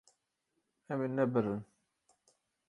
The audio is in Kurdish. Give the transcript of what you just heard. Em ê nebirin.